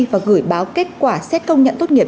và gửi báo kết quả xét công nhận tốt nghiệp